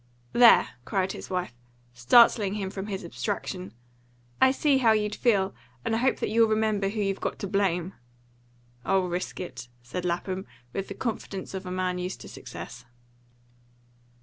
"There!" cried his wife, startling him from his abstraction. "I see how you'd feel; and I hope that you'll remember who you've got to blame." "I'll risk it," said Lapham, with the confidence of a man used to success.